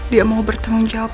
dia mau bertanggung jawab